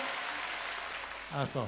ああそう。